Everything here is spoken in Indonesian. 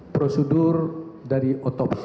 prosedur dari otopsi